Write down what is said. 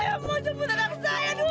ya mau jemput anak saya dulu